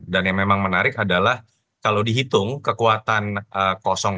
dan yang memang menarik adalah kalau dihitung kekuatan kosong pasangan